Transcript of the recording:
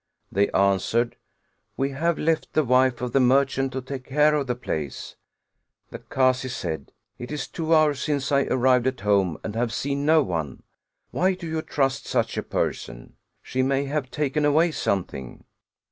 They answered: "We have left the wife of the merchant to take care of the place." The Kazi said: "It IS two hours since I arrived at home and have seen no one; why do you trust such a person? She may have taken away something."